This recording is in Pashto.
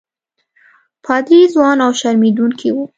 پادري ځوان او شرمېدونکی وو.